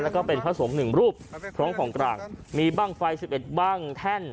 แล้วก็เป็นพระสงฆ์หนึ่งรูปพร้อมของกลางมีบ้างไฟสิบเอ็ดบ้างแท่น